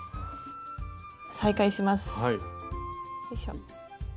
再開します。